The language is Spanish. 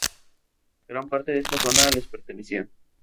Gran parte de esta zona les pertenecía.